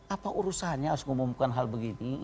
apa urusannya harus mengumumkan hal begini